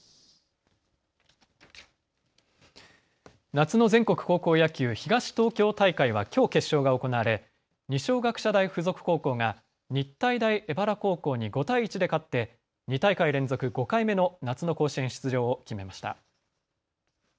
夏の全国高校野球東東京大会はきょう決勝が行われ二松学舎大付属高校が日体大荏原高校に５対１で勝って２大会連続５回目の夏の甲子園出場を決めました。